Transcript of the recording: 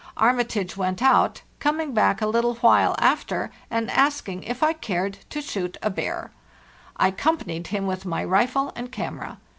Armitage went out, coming back a little while after and asking if I cared to shoot a bear. I accompanied him =) with my rifle and camera.